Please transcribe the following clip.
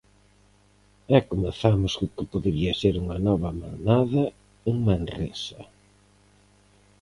E comezamos co que podería ser unha nova manada en Manresa.